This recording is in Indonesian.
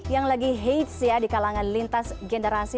yang lagi hates ya di kalangan lintas generasi